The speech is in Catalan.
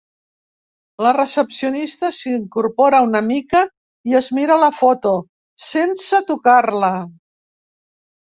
La recepcionista s'incorpora una mica i es mira la foto, sense tocar-la.